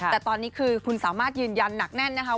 แต่ตอนนี้คือคุณสามารถยืนยันหนักแน่นนะคะ